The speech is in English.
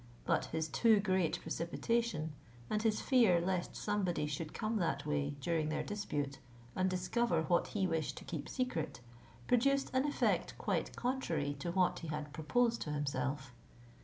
But his too great precipitation, and his fear lest somebody should come that way during their dispute, and discover what he wished to keep secret, produced an effect quite contrary to what he had proposed to himself.